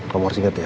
kamu harus inget ya